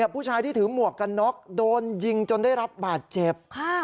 ผู้ชายที่ถือหมวกกันน็อกโดนยิงจนได้รับบาดเจ็บ